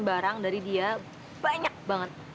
barang dari dia banyak banget